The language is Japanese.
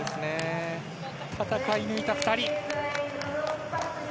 戦い抜いた２人。